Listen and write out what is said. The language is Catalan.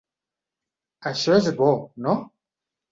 Això és bo, no?